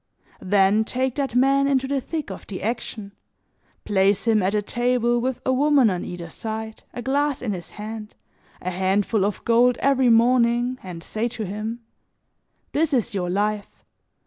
"Then take that man into the thick of the action, place him at a table with a woman on either side, a glass in his hand, a handful of gold every morning and say to him: 'This is your life.